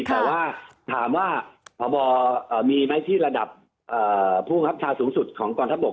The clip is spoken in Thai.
แต่ว่าถามว่าเอ่อมีไหมที่ระดับเอ่อผู้ครับชาวสูงสุดของกรทับบก